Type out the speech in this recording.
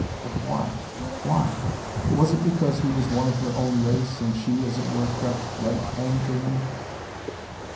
But why, why? Was it because he was one of her own race, and she, as it were, crept right home to him?